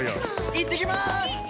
いってきまーす！